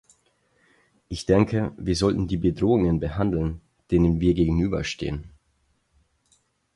Ich denke, wir sollten die Bedrohungen behandeln, denen wir gegenüberstehen.